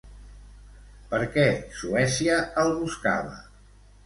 Per què Suècia el buscava?